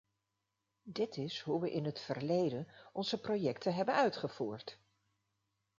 Dit is hoe we in het verleden onze projecten hebben uitgevoerd.